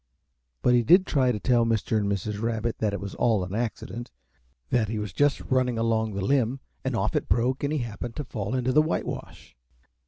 But he did try to tell Mr. and Mrs. Rabbit that it was all an accident, that he was just running along the limb and off it broke and he happened to fall into the whitewash.